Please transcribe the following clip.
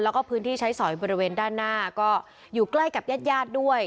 แล้วก็พื้นที่ใช้สอยบริเวณด้านหน้าก็อยู่ใกล้กับญาติญาติด้วย